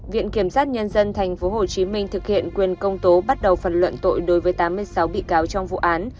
viện kiểm sát nhân dân tp hcm thực hiện quyền công tố bắt đầu phần luận tội đối với tám mươi sáu bị cáo trong vụ án